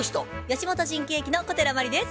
吉本新喜劇の小寺真理です。